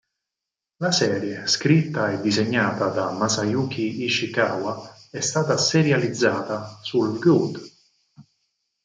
La serie, scritta e disegnata da Masayuki Ishikawa, è stata serializzata sul "good!